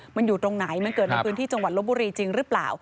มันอยู่ตรงไหนมันเกิดในพื้นที่จังหวัดลบบุรีจริงหรือเปล่า